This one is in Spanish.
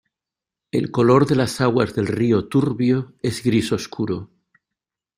El color de las aguas del río Turbio es gris oscuro.